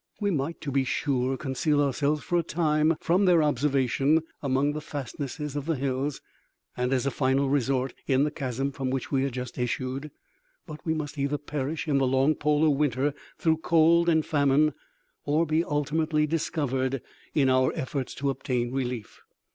We might, to be sure, conceal ourselves for a time from their observation among the fastnesses of the hills, and, as a final resort, in the chasm from which we had just issued; but we must either perish in the long polar winter through cold and famine, or be ultimately discovered in our efforts to obtain relief.